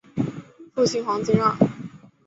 父亲黄敬让。